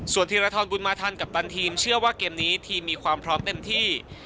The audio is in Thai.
ธีรทรบุญมาทันกัปตันทีมเชื่อว่าเกมนี้ทีมมีความพร้อมเต็มที่